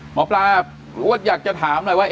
หมอปลาอยากจะถามหน่อยว่า